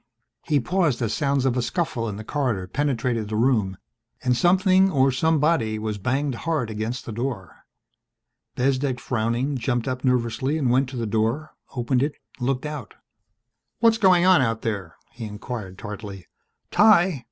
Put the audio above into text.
He paused as sounds of a scuffle in the corridor penetrated the room and something or somebody was banged hard against the door. Bezdek, frowning, jumped up nervously and went to the door, opened it, looked out. "What's going on out there?" he inquired tartly. "_Ty!